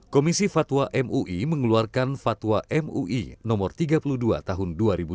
komisi fatwa mui mengeluarkan fatwa mui no tiga puluh dua tahun dua ribu dua puluh